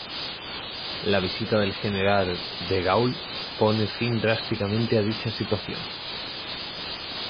La visita del general De Gaulle pone fin drásticamente a dicha situación.